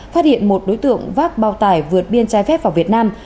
phát hiện một đối tượng vác bao tải vượt biên trái phép vào việt nam